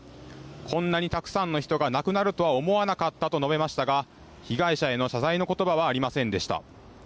こんなにたくさんの人が亡くなるとは思わなかったと述べましたが被害者への謝罪のことばはありませんでした。